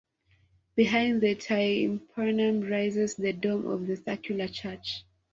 Behind the tympanum rises the dome of the circular church.